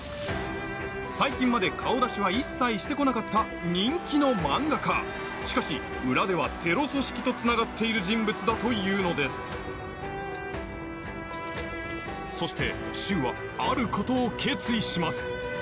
最近まで顔出しは一切してこなかったしかし裏ではテロ組織と繋がっている人物だというのですそして柊はあることを決意します